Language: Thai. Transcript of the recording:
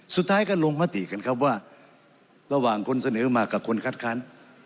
สุดท้ายก็ลงมติกันครับว่าระหว่างคนเสนอมากับคนคัดค้าน